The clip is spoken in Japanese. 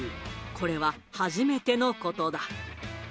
これは、初めてのことだ。